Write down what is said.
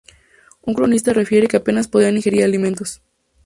Un cronista refiere que apenas podía ingerir alimentos.